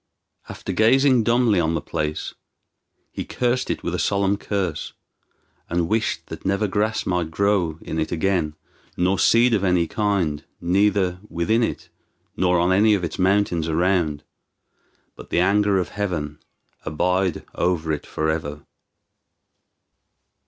After gazing dumbly on the place he cursed it with a solemn curse, and wished that never grass might grow in it again, nor seed of any kind, neither within it nor on any of its mountains around, but the anger of Heaven abide over it forever.